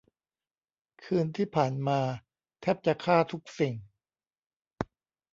คืนที่ผ่านมาแทบจะฆ่าทุกสิ่ง